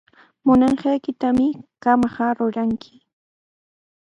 Munanqaykitami qamqa ruranki.